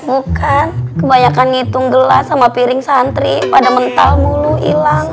bukan kebanyakan ngitung gelas sama piring santri pada mental mulu hilang